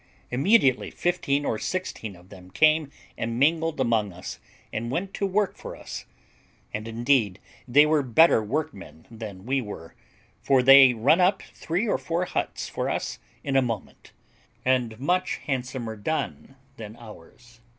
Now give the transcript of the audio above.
Immediately fifteen or sixteen of them came and mingled among us, and went to work for us; and indeed, they were better workmen than we were, for they run up three or four huts for us in a moment, and much handsomer done than ours.